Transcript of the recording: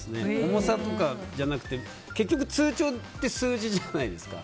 重さとかじゃなくて結局通帳って数字じゃないですか。